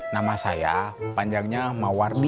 nama saya panjangnya mawar di